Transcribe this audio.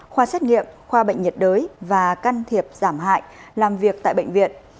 khoa xét nghiệm khoa bệnh nhiệt đới và can thiệp giảm hại làm việc tại bệnh viện